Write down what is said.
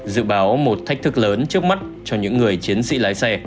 dự báo một thách thức lớn trước mắt cho những người chiến sĩ lái xe